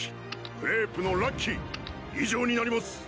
クレープの「ラッキー」以上になります。